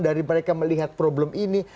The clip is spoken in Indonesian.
dari mereka melihat problem ini